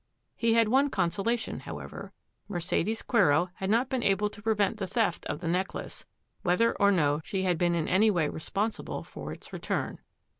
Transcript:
He had one consolation, however. Mercedes Quero had not been able to prevent the theft of the necklace, whether or no she had been in any way responsible for its return.